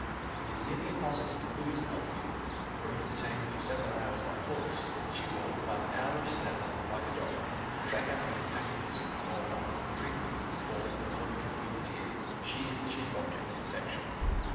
It is nearly impossible to lose an old mule; for if detained for several hours by force, she will, by the power of smell, like a dog, track out her companions, or rather the madrina, for, according to the muleteer, she is the chief object of affection.